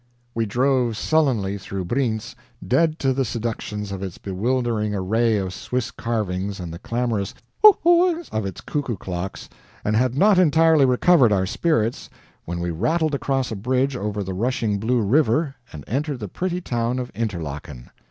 We drove sullenly through Brienz, dead to the seductions of its bewildering array of Swiss carvings and the clamorous HOO hooing of its cuckoo clocks, and had not entirely recovered our spirits when we rattled across a bridge over the rushing blue river and entered the pretty town of Interlaken.